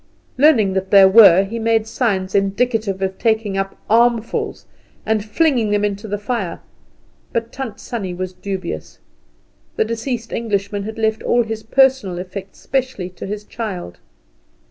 Learning that there were, he made signs indicative of taking up armfuls and flinging them into the fire. But Tant Sannie was dubious. The deceased Englishman had left all his personal effects specially to his child.